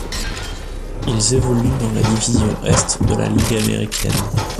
Ils évoluent dans la division Est de la Ligue américaine.